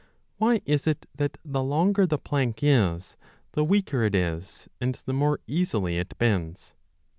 Why is it that the longer the plank is the weaker it is and the more easily it bends